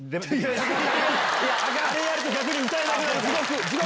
あれやると逆に歌えなくなる。